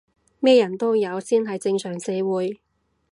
咩人都有先係正常社會